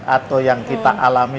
atau yang kita alami